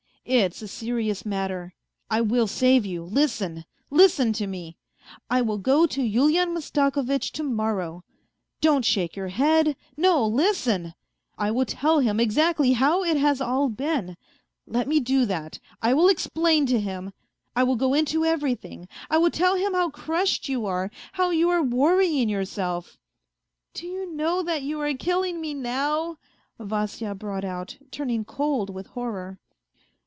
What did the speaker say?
It's a serious matter; I will save you. Listen ! listen to me : I will go to Yulian Mastako vitch to morrow. ... Don't shake your head ; no, listen ! I will tell him exactly how it has all been ; let me do that ... I will explain to him. ... I will go into everything. I will tell him how crushed you are, how you are worrying yourself." " Do you know that you are killing me now ?" Vasya brought out, turning cold with horror.